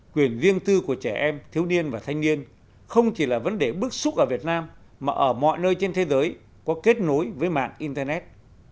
quyền riêng tư của trẻ em thiếu niên và thanh niên không chỉ là vấn đề bức xúc ở việt nam mà ở mọi nơi trên thế giới có kết nối với mạng internet